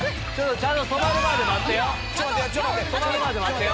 ちゃんと止まるまで待ってよ。